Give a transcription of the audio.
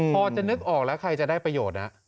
พอจะนึกออกแล้วใครจะได้ประโยชน์นะ